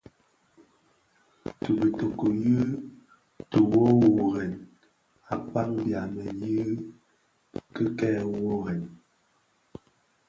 Ti bitoki yi tè woworèn akpaň byamèn yiiki kè worrena,